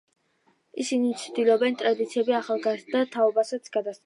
ისინი ცდილობენ, ტრადიციები ახალგაზრდა თაობასაც გადასცენ.